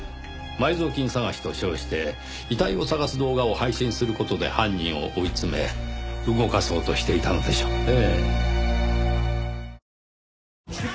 埋蔵金探しと称して遺体を捜す動画を配信する事で犯人を追い詰め動かそうとしていたのでしょうね。